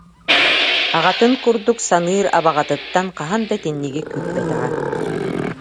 Аҕатын курдук саныыр абаҕатыттан хаһан да итинниги күүппэтэҕэ